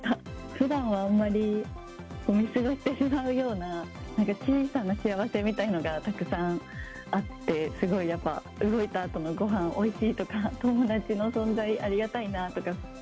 ふだんはあんまり、見過ごしてしまうような、なんか小さな幸せみたいのがたくさんあって、すごいやっぱ、動いたあとのごはんおいしいとか、友達の存在、ありがたいなとか。